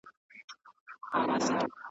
له منظور پښتین سره دي .